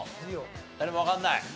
誰もわかんない？